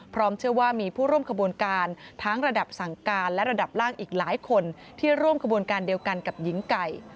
เชื่อว่ามีผู้ร่วมขบวนการทั้งระดับสั่งการและระดับล่างอีกหลายคนที่ร่วมขบวนการเดียวกันกับหญิงไก่